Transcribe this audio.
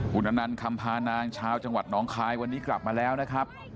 คุณอนันต์คำพานางชาวจังหวัดน้องคายวันนี้กลับมาแล้วนะครับ